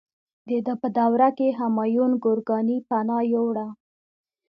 د ده په دوره کې همایون ګورکاني پناه یووړه.